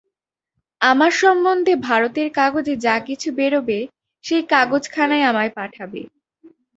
আমার সম্বন্ধে ভারতের কাগজে যা কিছু বেরোবে সেই কাগজখানাই আমায় পাঠাবে।